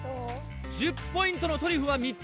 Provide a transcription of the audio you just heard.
１０ポイントのトリュフは３つ。